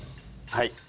はい。